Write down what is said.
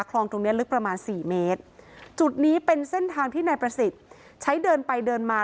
ตรงเนี้ยลึกประมาณสี่เมตรจุดนี้เป็นเส้นทางที่นายประสิทธิ์ใช้เดินไปเดินมา